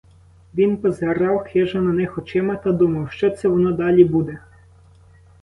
Він позирав хижо на них очима та думав: що це воно далі буде?